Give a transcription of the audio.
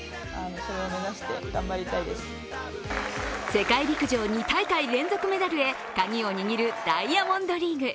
世界陸上２大会連続メダルへカギを握るダイヤモンドリーグ。